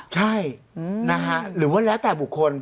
อเจมส์เราก็ไม่รู้นะครับ